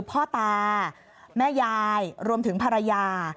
พ่อตาแม่ยายรวมถึงภรรยา